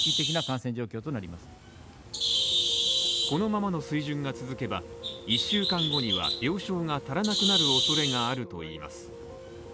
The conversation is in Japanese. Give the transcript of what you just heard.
このままの水準が続けば、１週間後には病床が足りなくなる恐れがあるといいます。